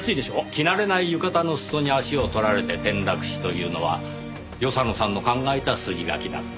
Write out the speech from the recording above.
着慣れない浴衣の裾に足を取られて転落死というのは与謝野さんの考えた筋書きだった。